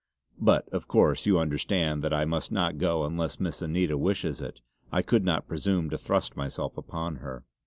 But of course you understand that I must not go unless Miss Anita wishes it. I could not presume to thrust myself upon her."